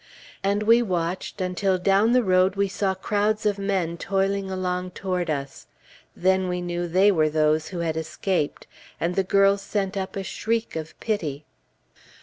And we watched until down the road we saw crowds of men toiling along toward us. Then we knew they were those who had escaped, and the girls sent up a shriek of pity.